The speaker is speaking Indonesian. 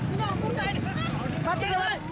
ketika berada di sebuah kota